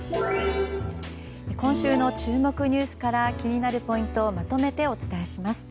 今週の注目ニュースから気になるポイントをまとめてお伝えします。